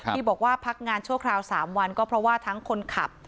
ที่บอกว่าพักงานชั่วคราว๓วันก็เพราะว่าทั้งคนขับ